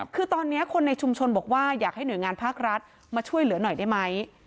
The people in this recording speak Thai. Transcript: คือตอนนี้คนในชุมชนบอกว่าอยากให้หน่วยงานภาครัฐมาช่วยเหลือหน่อยได้ไหม